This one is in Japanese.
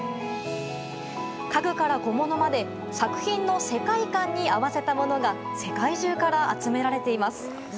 家具から小物まで作品の世界観に合わせたものが世界中から集められています。